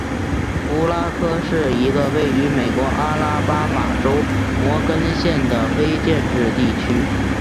胡拉科是一个位于美国阿拉巴马州摩根县的非建制地区。